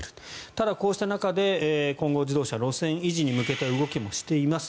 ただ、こうした中で金剛自動車路線維持に向けた動きもしています。